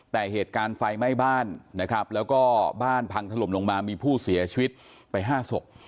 แต่เหตุการณ์ไฟไหม้บ้านนะครับแล้วก็บ้านพังถล่มลงมามีผู้เสียชีวิตไป๕ศพ